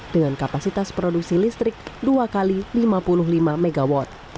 dengan kapasitas produksi listrik dua x lima puluh lima mw